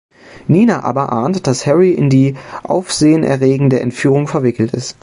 Nina aber ahnt, dass Harry in die aufsehenerregende Entführung verwickelt ist.